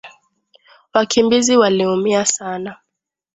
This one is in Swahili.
Wakimbizi waliumia sana